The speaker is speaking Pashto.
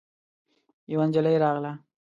يوه نجلۍ راغله.